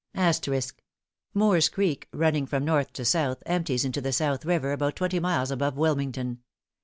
* Moore's Creek, running from north to south, empties into the South River, about twenty miles above Wilmington.